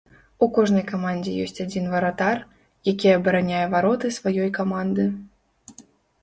У кожнай камандзе ёсць адзін варатар, які абараняе вароты сваёй каманды.